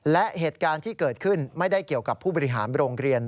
และเหตุการณ์ที่เกิดขึ้นไม่ได้เกี่ยวกับผู้บริหารโรงเรียน